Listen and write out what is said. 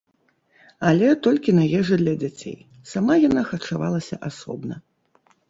Але толькі на ежы для дзяцей, сама яна харчавалася асобна.